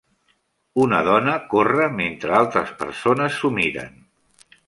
Una dona corre mentre altres persones s'ho miren.